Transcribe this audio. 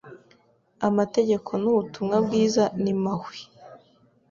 Amategeko n’ubutumwa bwiza ni mahwi.